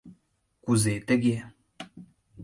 Кузе тыге?..